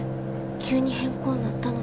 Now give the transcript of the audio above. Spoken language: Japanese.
急に変更になったのに。